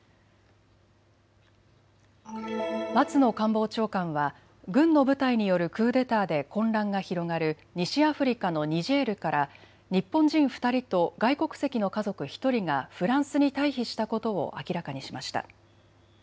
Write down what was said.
松野官房長官は軍の部隊によるクーデターで混乱が広がる西アフリカのニジェールから日本人２人と外国籍の家族１人がフランスに退避したことを明らかにしました。